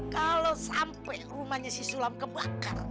kalau sampai rumahnya si sulam kebakar